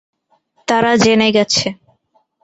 তারা জেনে গেছে।